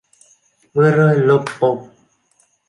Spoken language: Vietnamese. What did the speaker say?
Mưa rơi lộp bộp